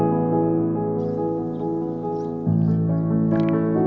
saya juga meminta makanan redditor